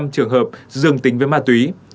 hai trăm hai mươi năm trường hợp dường tính với ma túy